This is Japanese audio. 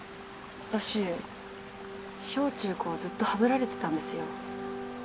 私小中高ずっとハブられてたんですよ